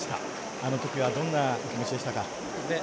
あのときはどんな気持ちでしたか？